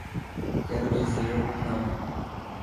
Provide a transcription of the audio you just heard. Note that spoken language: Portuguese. Quero dizer, não.